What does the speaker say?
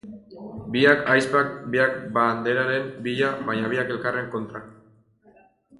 Biak ahizpak, biak banderaren bila, baina biak elkarren kontra.